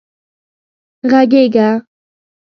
غږېږه